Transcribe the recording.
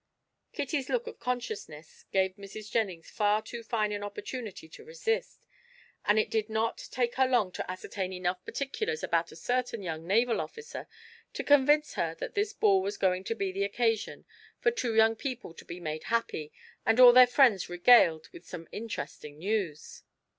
Kitty's look of consciousness gave Mrs. Jennings far too fine an opportunity to resist, and it did not take her long to ascertain enough particulars about a certain young naval officer to convince her that this ball was going to be the occasion for two young people to be made happy and all their friends regaled with some interesting news.